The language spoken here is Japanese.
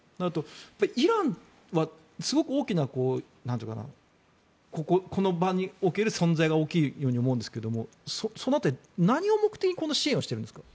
イランはすごく、この場における存在が大きいように思うんですけどもその辺り何を目的にこの支援をしているんですか？